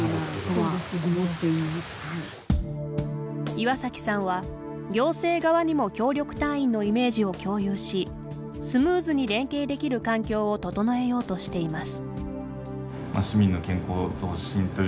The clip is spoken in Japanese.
岩崎さんは行政側にも協力隊員のイメージを共有しスムーズに連携できる環境を整えようとしています。